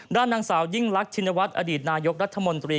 ด้านหนังสาวยิ่งลักษณวธอดีตนายกรัฐมนตรี